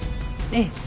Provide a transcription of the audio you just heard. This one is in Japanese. ええ。